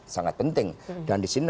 sangat penting dan disini